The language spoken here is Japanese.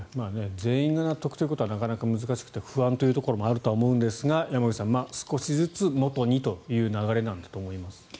全員が納得ということはなかなか難しくて不安というところもあると思うんですが山口さん、少しずつ、元にという流れなんだと思います。